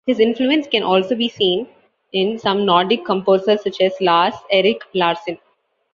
His influence can also be seen in some Nordic composers, such as Lars-Erik Larsson.